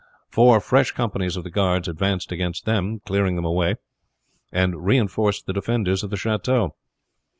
Four fresh companies of the guards advanced against them, cleared them away, and reinforced the defenders of the chateau.